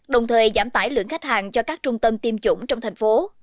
đồng thời giảm tải lượng khách hàng cho các trung tâm tiêm chủng trong thành phố